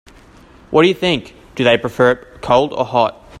What do you think, do they prefer it cold or hot?